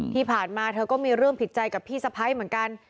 ที่ผ่านมาเธอก็มีเรื่องผิดใจกับพี่สะพ้ายเหมือนกัน